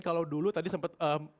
kalau dulu tadi sempat